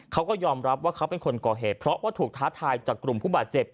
เขาก็ยอมรับว่าเขาเป็นคนก่อเหตุเพราะว่าถูกท้าทายจากกลุ่มผู้บาดเจ็บ